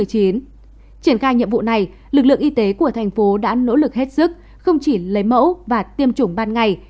triển khai nhiệm vụ này lực lượng y tế của thành phố đã nỗ lực hết sức không chỉ lấy mẫu và tiêm chủng ban ngày